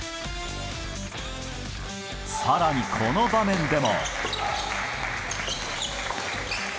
更に、この場面でも。